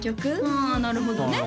ああなるほどね